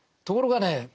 ところがへ。